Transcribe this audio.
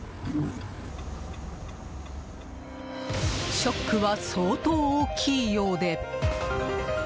ショックは相当大きいようで。